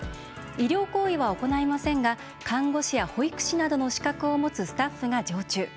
医療行為は行いませんが看護師や保育士などの資格を持つスタッフが常駐。